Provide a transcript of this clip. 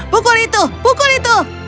pukul itu pukul itu